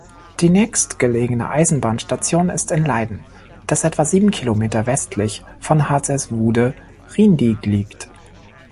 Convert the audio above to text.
Die nächstgelegene Eisenbahnstation ist in Leiden, das etwa sieben Kilometer westlich von Hazerswoude-Rijndijk liegt.